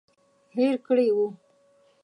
هېر کړي وو.